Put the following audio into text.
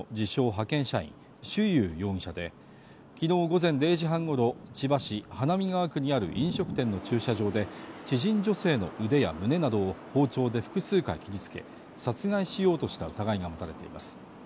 派遣社員・朱ユウ容疑者できのう午前１０時半ごろ千葉市花見川区にある飲食店の駐車場で知人女性の腕や胸などを包丁で複数回切りつけ殺害しようとした疑いが持たれています